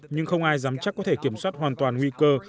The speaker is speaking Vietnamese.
nhưng không ai dám chắc có thể kiểm soát hoàn toàn nguy cơ